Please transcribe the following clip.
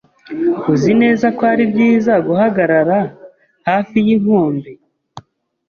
Uzi neza ko ari byiza guhagarara hafi yinkombe?